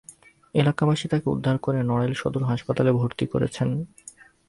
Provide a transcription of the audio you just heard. এলাকাবাসী তাঁকে উদ্ধার করে নড়াইল সদর হাসপাতালে ভর্তি করেছেন।